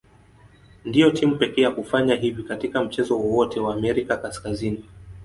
Ndio timu pekee ya kufanya hivi katika mchezo wowote wa Amerika Kaskazini.